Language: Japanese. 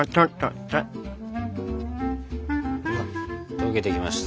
溶けてきました。